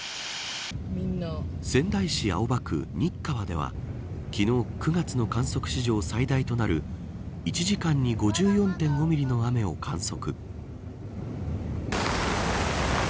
仙台市青葉区新川では昨日、９月の観測史上最大となる１時間に５４．５ミリの雨を観測。